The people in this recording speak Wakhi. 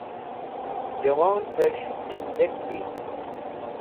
juwon'vesh mindek di